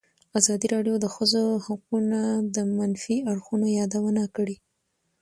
ازادي راډیو د د ښځو حقونه د منفي اړخونو یادونه کړې.